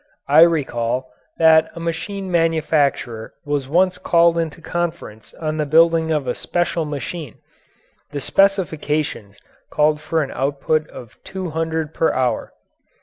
I recall that a machine manufacturer was once called into conference on the building of a special machine. The specifications called for an output of two hundred per hour.